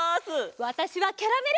わたしはキャラメル。